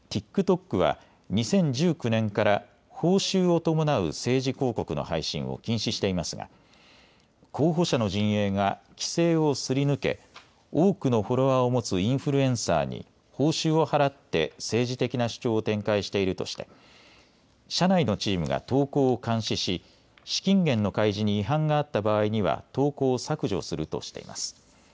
ＴｉｋＴｏｋは２０１９年から報酬を伴う政治広告の配信を禁止していますが候補者の陣営が規制をすり抜け多くのフォロワーを持つインフルエンサーに報酬を払って政治的な主張を展開しているとして社内のチームが投稿を監視し、資金源の開示に違反があった場合には投稿を削除するとしています。